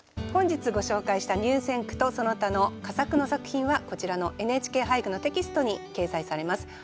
本日ご紹介した入選句とその他の佳作の作品はこちらの「ＮＨＫ俳句」のテキストに掲載されます。